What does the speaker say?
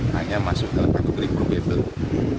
hanya masuk dalam pergubrik probable